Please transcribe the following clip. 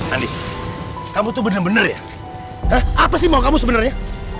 andi kamu tuh bener bener ya apa sih mau kamu sebenarnya